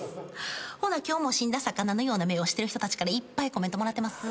ほな今日も死んだ魚のような目をしてる人たちからいっぱいコメントもらってます。